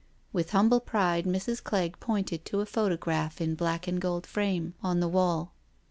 *' With humble pride Mrs. Clegg pointed to a photograph in black and gold frame on the wall.